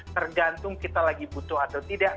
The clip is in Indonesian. tergantung kita lagi butuh atau tidak